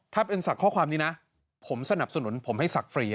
ถ้าเป็นศักดิ์ข้อความนี้นะผมสนับสนุนผมให้ศักดิ์ฟรี